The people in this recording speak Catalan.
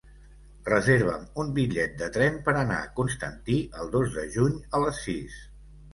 Reserva'm un bitllet de tren per anar a Constantí el dos de juny a les sis.